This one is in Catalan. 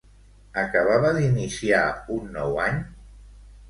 Acabava d'iniciar un nou any?